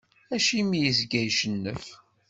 Acimi izga icennef?